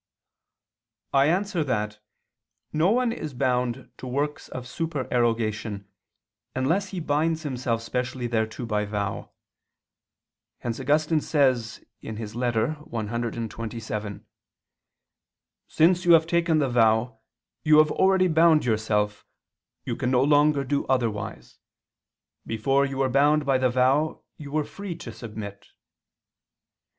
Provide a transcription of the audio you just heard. I answer that, No one is bound to works of supererogation, unless he binds himself specially thereto by vow. Hence Augustine says (Ep. cxxvii ad Paulin. et Arment.): "Since you have taken the vow, you have already bound yourself, you can no longer do otherwise. Before you were bound by the vow, you were free to submit."